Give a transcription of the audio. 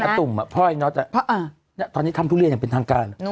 ตุ่มพ่อไอ้น็อตตอนนี้ทำทุเรียนอย่างเป็นทางการ